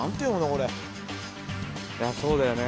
これそうだよね